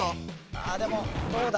ああでもどうだ？